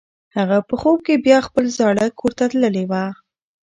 هغه په خوب کې بیا خپل زاړه کور ته تللې وه.